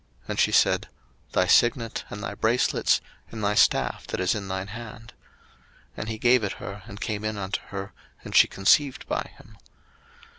And she said, Thy signet, and thy bracelets, and thy staff that is in thine hand. And he gave it her, and came in unto her, and she conceived by him.